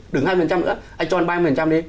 đừng hai mươi nữa anh cho ba mươi đi